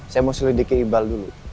saya mau selidiki ibal dulu